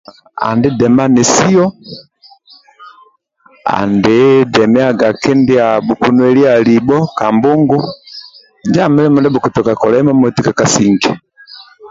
Andi dema nesio andi demeiga kindia bhukunueliaga libho ka mbungu injo ali mulimo ntdio bhukutoka kolai ka kasinge